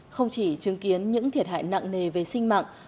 không chỉ chứng kiến những thiệt hại nặng nề về sinh mạng